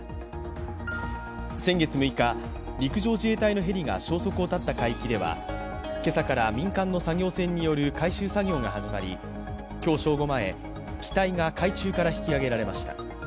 先月６日、陸上自衛隊のヘリが消息を絶った海域では今朝から民間の作業船による回収作業が始まり、今日正午前、機体が海中から引き揚げられました。